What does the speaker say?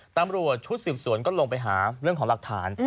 ตำรวจชุดสืบสวนก็ลงไปหาเรื่องของหลักฐาน